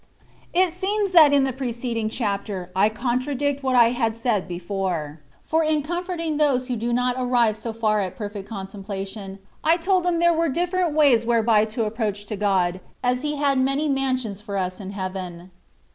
It seems that in the preceding chapter I con tradict what I had said before ; for in comforting those who do not arrive so far as perfect contem plation^ I told them there were diflFerent ways whereby to approach to God, as He had many mansions for us in heaven.